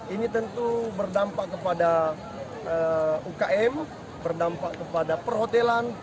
ini tentu berdampak kepada ukm berdampak kepada perhotelan